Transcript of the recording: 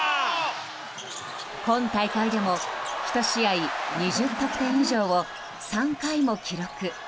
今大会でも１試合２０得点以上を３回も記録。